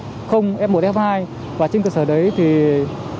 và trên cơ sở đấy thì công an cũng nhập dữ liệu